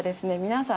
皆さん